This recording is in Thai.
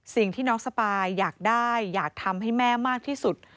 สิ่งที่น้องสปายอยากได้อยากทำให้แม่มากที่สุด